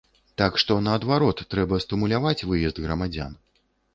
Так што, наадварот, трэба стымуляваць выезд грамадзян.